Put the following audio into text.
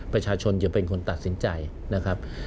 ประชาชนอย่าเป็นคนตัดสินใจนะครับ